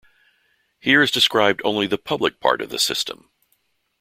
Here is described only the public part of the system.